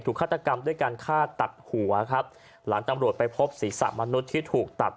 ฆาตกรรมด้วยการฆ่าตัดหัวครับหลังตำรวจไปพบศีรษะมนุษย์ที่ถูกตัด